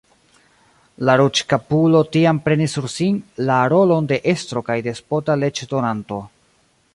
La ruĝkapulo tiam prenis sur sin la rolon de estro kaj despota leĝdonanto.